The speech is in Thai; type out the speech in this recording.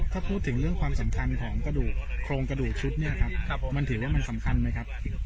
ถ้าพูดถึงเรื่องความสำคัญของกระดูกโครงกระดูกชุดเนี่ยครับมันถือว่ามันสำคัญไหมครับ